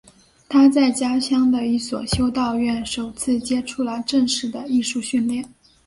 他在家乡的一所修道院首次接触了正式的艺术训练。